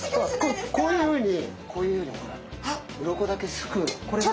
こういうふうにこういうふうにほらうろこだけすくの。